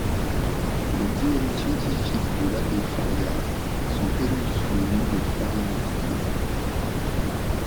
Les théories scientifiques de l'abbé Faria sont connues sous le nom de Fariisme.